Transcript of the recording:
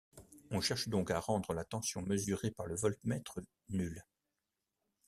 On cherche donc à rendre la tension mesurée par le voltmètre nulle.